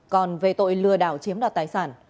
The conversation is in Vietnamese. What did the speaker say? còn về tội lừa đảo chiếm đoạt tài sản